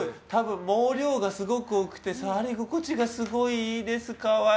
毛量がすごく多くて触り心地がすごくいいです。